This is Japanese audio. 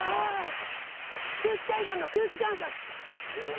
『空気階段の空気観察』！